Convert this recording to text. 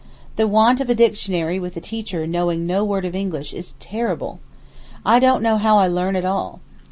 The want of a dictionary with a teacher knowing no word of English is terrible. I don't know how I learn at all.